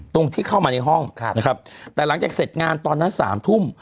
ตรงที่เข้ามาในห้องนะครับแต่หลังจากเสร็จงานตอนนั้นสามทุ่ม